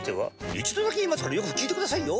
一度だけ言いますからよく聞いてくださいよ。